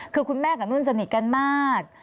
คือคุณแม่กับนุ่นสนิทกันมาก